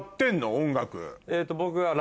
音楽。